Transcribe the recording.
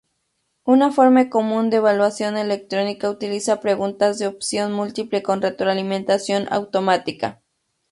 Una forma común de evaluación electrónica utiliza preguntas de opción múltiple con retroalimentación automática.